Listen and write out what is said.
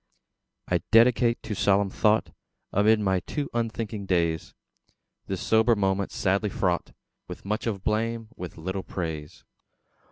I dedicate to solemn thought Amid my too unthinking days, This sober moment, sadly fraught With much of blame, with little praise.